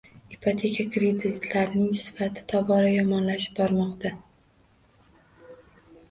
Ipoteka kreditlarining sifati tobora yomonlashib bormoqda.